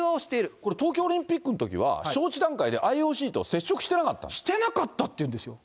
これ、東京オリンピックのときは、招致段階でＩＯＣと接触してなかったしてなかったって言うんですよ。